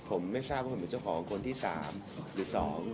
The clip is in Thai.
ผมไม่ทราบว่าผมเป็นเจ้าของคนที่๓หรือ๒